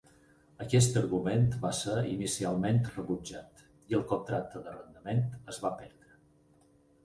Aquest argument va ser inicialment rebutjat, i el contracte d'arrendament es va perdre.